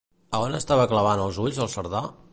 A on estava clavant els ulls el Cerdà?